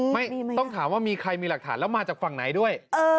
ไม่ต้องถามว่ามีใครมีหลักฐานแล้วมาจากฝั่งไหนด้วย